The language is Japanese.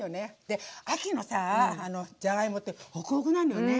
で秋のさじゃがいもってほくほくなのよね